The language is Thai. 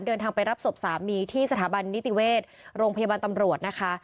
เดินทางไปรับศพสามีที่สถาบันนิติเวชโรงพยาบาลตำรวจนะคะ